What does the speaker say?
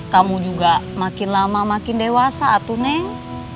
kamu juga makin lama makin dewasa atuh neng